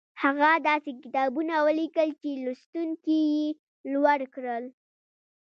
هغه داسې کتابونه وليکل چې لوستونکي يې لوړ کړل.